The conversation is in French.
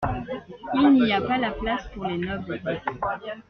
Il n'y a pas là place pour les nobles.